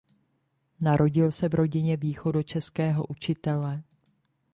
Narodil se v rodině východočeského učitele.